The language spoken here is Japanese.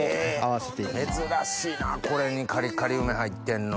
珍しいなこれにカリカリ梅入ってんの。